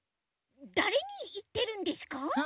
だれにいってるんですか？